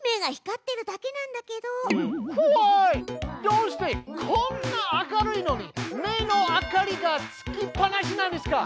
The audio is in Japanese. どうしてこんな明るいのに目の明かりがつきっぱなしなんですか。